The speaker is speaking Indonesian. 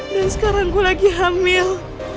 dan sekarang gue lagi hamil